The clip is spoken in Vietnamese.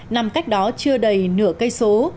nằm cách đó chưa đầy nửa cây số